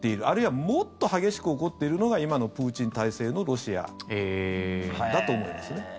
あるいはもっと激しく起こっているのが今のプーチン体制のロシアだと思いますね。